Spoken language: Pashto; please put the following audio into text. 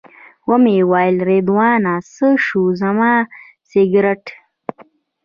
ومې ویل رضوانه څه شو زما سګرټ.